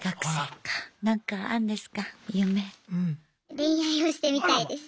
恋愛をしてみたいです。